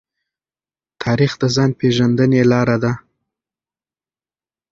تاریخ د ځان پېژندنې لاره ده.